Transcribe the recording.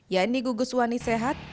yaitu gugus wani sehat